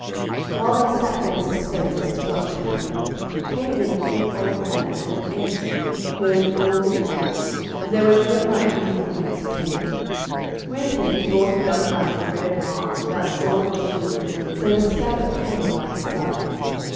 While they sat there in suspense as to what should happen, came in a good old man, and an ancient, clothed all in white, and there was no knight knew from whence he came. With him he brought a young knight in red arms, without sword or shield, save a scabbard hanging by his side.